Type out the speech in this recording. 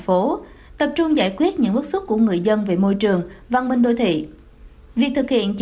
phố tập trung giải quyết những bước xuất của người dân về môi trường văn minh đô thị việc